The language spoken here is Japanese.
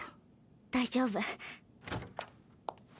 大丈夫。